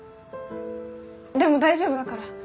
でも大丈夫だから。